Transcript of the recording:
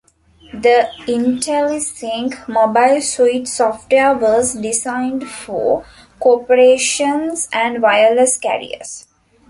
The Intellisync Mobile Suite software was designed for corporations and wireless carriers.